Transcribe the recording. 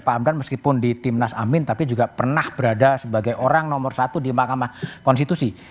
pak hamdan meskipun di timnas amin tapi juga pernah berada sebagai orang nomor satu di mahkamah konstitusi